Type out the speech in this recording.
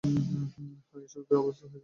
হ্যাঁ, এসবে অভ্যস্ত হয়ে যাচ্ছি।